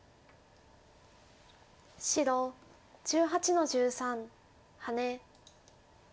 白１８の十三ハネ。